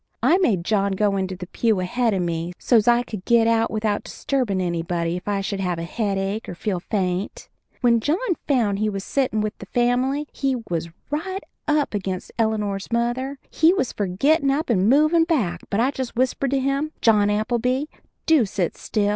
I made John go into the pew ahead of me so's I could get out without disturbin' anybody if I should have a headache or feel faint. When John found we was settin' with the family he was right close up against Eleanor's mother he was for gettin' up and movin' back. But I just whispered to him, "John Appleby, do sit still!